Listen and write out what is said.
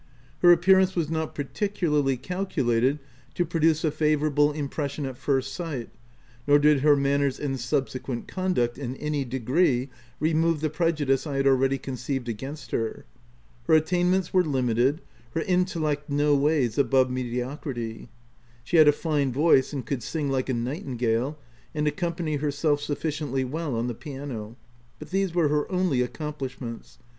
Her appearance was not particularly calculated to produce a favourable impression at first sight, nor did her manners and subsequent conduct, in any degree, remove the prejudice I had al ready conceived against her. Her attainments were limited, her intellect noways above me diocrity. She had a fine voice, and could sing like a nightingale, and accompany herself suf ficiently well on the piano ; but these were her only accomplishments.